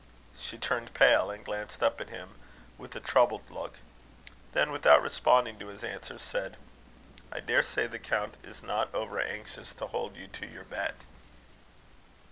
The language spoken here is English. She turned pale, and glanced up at him with a troubled look. Then, without responding to his answer, said: "I daresay the count is not over anxious to hold you to your bet."